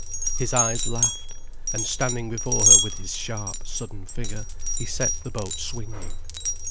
His eyes laughed, and standing before her with his sharp, sudden figure, he set the boat swinging.